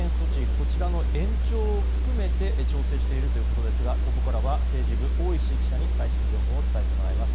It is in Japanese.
こちらの延長を含めて調整しているということですがここからは政治部、大石記者に最新情報を伝えてもらいます。